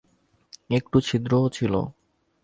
একটু ছিদ্রও ছিল।